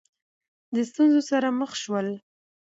د ستونزو سره مخ شول